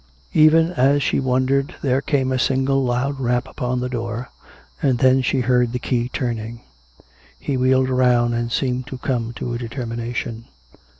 Even as she wondered there came a single loud rap upon the door, and then she heard the key turning. He wheeled round, and seemed to come to a determination.